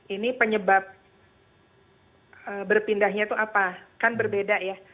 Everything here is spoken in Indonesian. ini penyebab berpindahnya itu apa kan berbeda ya